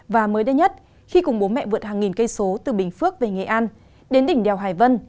và mới đây nhất khi cùng bố mẹ vượt hàng nghìn cây số từ bình phước về nghệ an đến đỉnh đèo hải vân